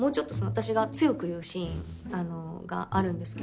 私が強く言うシーンがあるんですけど。